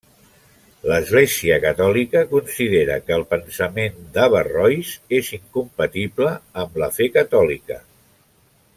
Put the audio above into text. L'Església Catòlica considera que el pensament d'Averrois és incompatible amb la fe catòlica.